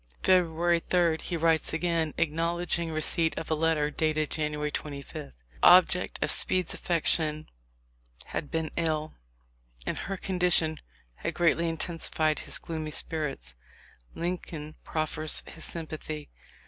February 3, he writes again, acknowledging re ceipt of a letter dated January 25. The object of Speed's affection had been ill, and her condition had greatly intensified his gloomy spirits. Lincoln prof fers his sympathy.